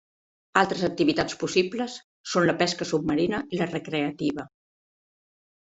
Altres activitats possibles són la pesca submarina i la recreativa.